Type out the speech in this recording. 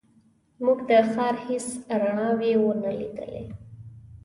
موږ د ښار هېڅ رڼاوې ونه لیدلې.